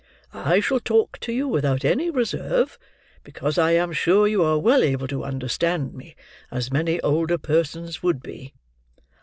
I shall talk to you without any reserve; because I am sure you are well able to understand me, as many older persons would be."